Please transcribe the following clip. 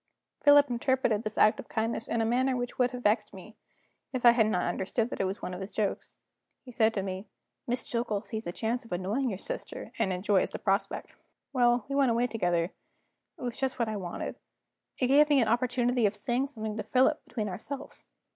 Philip interpreted this act of kindness in a manner which would have vexed me, if I had not understood that it was one of his jokes. He said to me: "Miss Jillgall sees a chance of annoying your sister, and enjoys the prospect." Well, away we went together; it was just what I wanted; it gave me an opportunity of saying something to Philip, between ourselves.